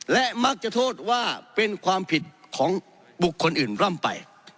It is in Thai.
และมักจะโทษว่าเป็นความผิดของบุคคลอื่นร่ำไป